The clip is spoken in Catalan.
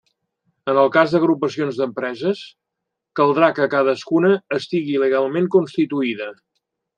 En el cas d'agrupacions d'empreses, caldrà que cadascuna estigui legalment constituïda.